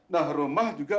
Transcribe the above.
nah rumah juga